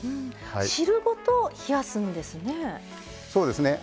汁ごと冷やすんですね。